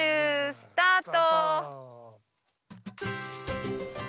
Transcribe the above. スタート。